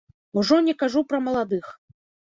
Ужо не кажу пра маладых.